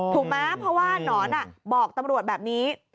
ถูกไหมเพราะว่านอนบอกตำรวจแบบนี้